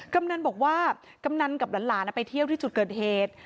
กำนันบอกว่ากำนันกับหลานไปเที่ยวที่จุดเกิดเหตุ